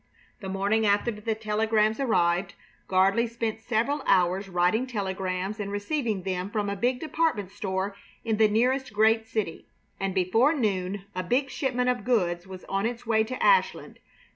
The morning after the telegrams arrived Gardley spent several hours writing telegrams and receiving them from a big department store in the nearest great city, and before noon a big shipment of goods was on its way to Ashland.